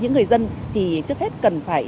những người dân thì trước hết cần phải